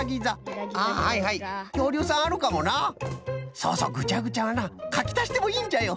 そうそうぐちゃぐちゃはなかきたしてもいいんじゃよ。